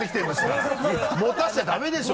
持たせちゃダメでしょ。